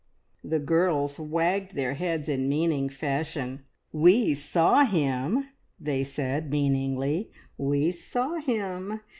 The girls wagged their heads in meaning fashion. "We saw him!" they said meaningly "we saw him!